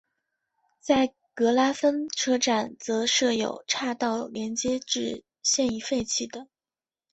在格拉芬车站则设有岔道连接至现已废弃的。